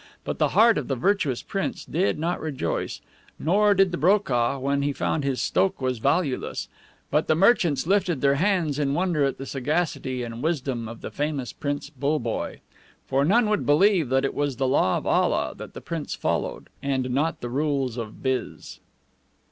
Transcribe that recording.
But the heart of the virtuous prince did not rejoice, nor did the BROKAH, when he found his STOKH was valueless; but the merchants lifted their hands in wonder at the sagacity and wisdom of the famous Prince BULLEBOYE. For none would believe that it was the law of ALLAH that the prince followed, and not the rules of BIZ.